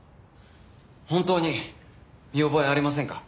本当に見覚えありませんか？